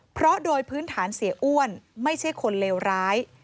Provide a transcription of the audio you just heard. เพราะโดยพื้นฐานเสียอ้วนไม่ใช่คนเลวร้าย